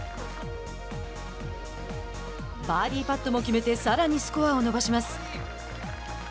バーディーパットも決めてさらにスコアを伸ばします。